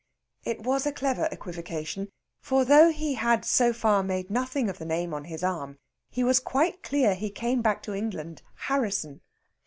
It was a clever equivocation, for though he had so far made nothing of the name on his arm, he was quite clear he came back to England Harrisson.